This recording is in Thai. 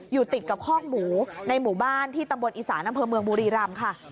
อยู่ติดกับคอกหมูในหมู่บ้านที่ตำบลอีสานอำเภอเมืองบุรีรำค่ะ